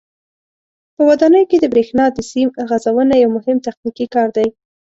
په ودانیو کې د برېښنا د سیم غځونه یو مهم تخنیکي کار دی.